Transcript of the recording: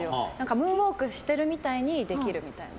ムーンウォークしてるみたいにできるっていう。